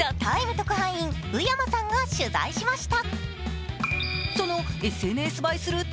特派員、宇山さんが取材しました。